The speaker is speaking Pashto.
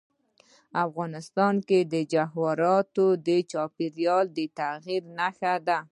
افغانستان کې جواهرات د چاپېریال د تغیر نښه ده.